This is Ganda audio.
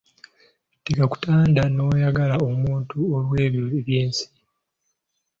Tekakutanda n'oyagala omuntu olw'ebyo eby'ensi.